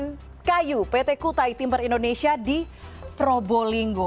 dan kayu pt kutai timber indonesia di probolinggo